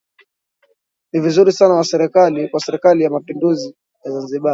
Ni vizuri sana kwa Serikali ya Mapinduzi ya Zanzibar